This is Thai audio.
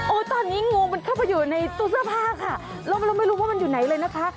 ตอนนี้งูมันเข้าไปอยู่ในตู้เสื้อผ้าค่ะแล้วเราไม่รู้ว่ามันอยู่ไหนเลยนะคะ